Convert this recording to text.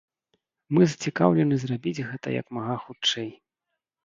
Мы зацікаўлены зрабіць гэта як мага хутчэй.